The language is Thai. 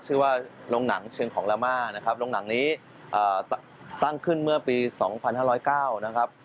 ชื่อว่าโรงหนังเชียงของลาม่านะครับโรงหนังนี้ตั้งขึ้นเมื่อปี๒๕๐๙นะครับ